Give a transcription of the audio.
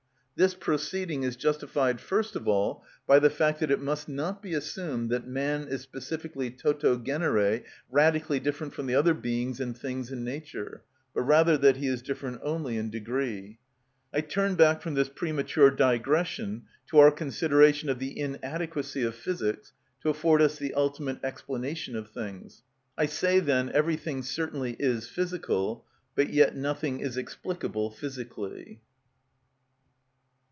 This proceeding is justified first of all by the fact that it must not be assumed that man is specifically toto genere radically different from the other beings and things in nature, but rather that he is different only in degree. I turn back from this premature digression to our consideration of the inadequacy of physics to afford us the ultimate explanation of things. I say, then, everything certainly is physical, but yet nothing is explicable physically.